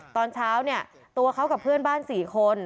ตอนเช้าเนี่ยตัวเขากับเพื่อนบ้าน๔คน